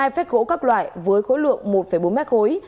bốn mươi hai phép gỗ các loại với khối lượng một bốn mét khối